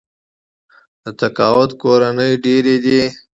د تقاعد کورونه ډیر دي.